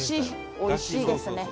おいしいですね」